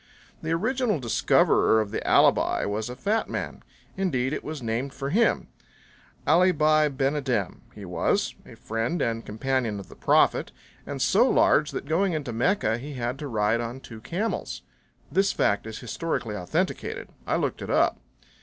The original discoverer of the alibi was a fat man; indeed, it was named for him Ali Bi Ben Adhem, he was, a friend and companion of the Prophet, and so large that, going into Mecca, he had to ride on two camels. This fact is historically authenticated. I looked it up.